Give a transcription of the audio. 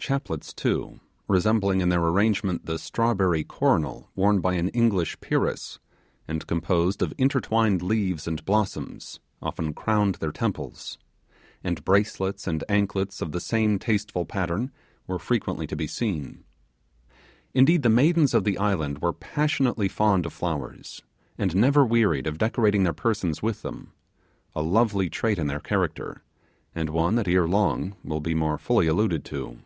Chaplets too, resembling in their arrangement the strawberry coronal worn by an English peeress, and composed of intertwined leaves and blossoms, often crowned their temples; and bracelets and anklets of the same tasteful pattern were frequently to be seen. Indeed, the maidens of the island were passionately fond of flowers, and never wearied of decorating their persons with them; a lovely trait in their character, and one that ere long will be more fully alluded to.